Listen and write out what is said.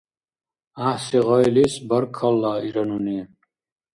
— ГӀяхӀси гъайлис баркалла, — ира нуни.